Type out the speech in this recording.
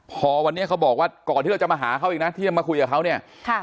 พอวันนี้เขาบอกว่าก่อนที่เราจะมาหาเขาอีกนะที่จะมาคุยกับเขาเนี่ยค่ะ